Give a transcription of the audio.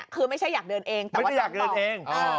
คือไม่ใช่อยากเดินเอง